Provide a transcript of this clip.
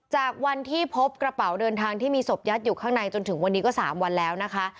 จากวันที่พบกระเป๋าเดินทางที่มีศพยัดอยู่ข้างในจนถึงวันนี้ก็๓วันแล้วนะคะ